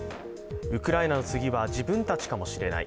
ウクライナの次は自分たちかもしれない。